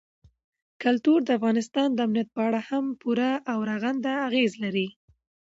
کلتور د افغانستان د امنیت په اړه هم پوره او رغنده اغېز لري.